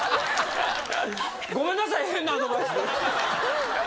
ごめんなさい変なアドバイスで。